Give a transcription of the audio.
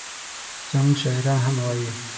زموږ شاعران هم وایي.